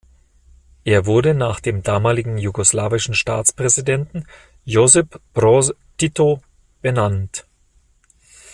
Er wurde nach dem damaligen jugoslawischen Staatspräsidenten Josip Broz Tito benannt.